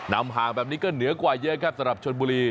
ห่างแบบนี้ก็เหนือกว่าเยอะครับสำหรับชนบุรี